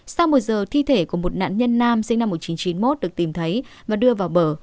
sau một giờ thi thể của một nạn nhân nam sinh năm một nghìn chín trăm chín mươi một được tìm thấy và đưa vào bờ